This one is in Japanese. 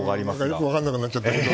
よく分からなくなっちゃったけど。